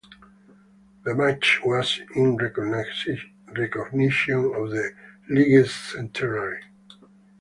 The match was in recognition of the League's centenary.